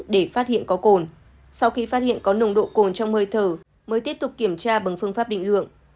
để phát hiện có cồn sau khi phát hiện có nồng độ cồn trong hơi thở mới tiếp tục kiểm tra bằng phương pháp định lượng